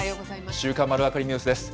週刊まるわかりニュースです。